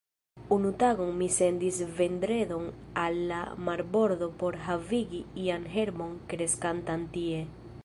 Unu tagon mi sendis Vendredon al la marbordo por havigi ian herbon kreskantan tie.